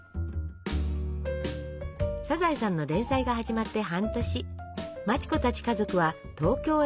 「サザエさん」の連載が始まって半年町子たち家族は東京へ戻ることに。